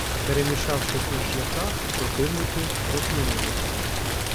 Перемішавшись на шляхах, противники розминулися.